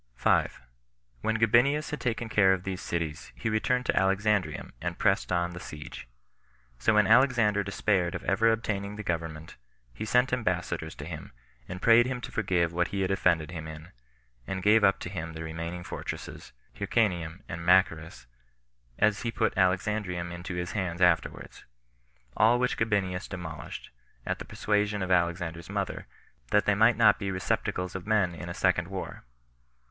5. When Gabinius had taken care of these cities, he returned to Alexandrium, and pressed on the siege. So when Alexander despaired of ever obtaining the government, he sent ambassadors to him, and prayed him to forgive what he had offended him in, and gave up to him the remaining fortresses, Hyrcanium and Machaerus, as he put Alexandrium into his hands afterwards; all which Gabinius demolished, at the persuasion of Alexander's mother, that they might not be receptacles of men in a second war.